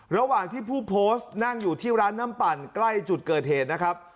ระหว่างที่ผู้โพสต์นั่งอยู่ที่ร้านน้ำปั่นใกล้จุดเกิดเหตุนะครับ